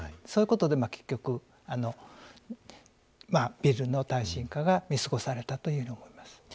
そういうことで結局ビルの耐震化が見過ごされたというふうに思います。